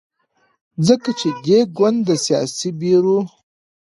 ځکه چې دې ګوند د سیاسي بیرو